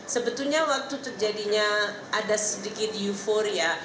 sebetulnya waktu terjadinya ada sedikit euforia